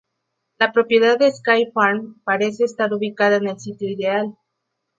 La propiedad de Sky Farm parece estar ubicada en el sitio ideal.